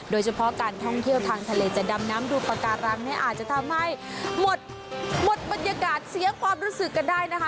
โดยเฉพาะการท่องเที่ยวทางทะเลจะดำน้ำดูปากการังเนี่ยอาจจะทำให้หมดหมดบรรยากาศเสียความรู้สึกกันได้นะคะ